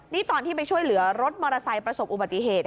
นี่ตอนที่ไปช่วยเหลือรถมอเตอร์ไซค์ประสบอุบัติเหตุ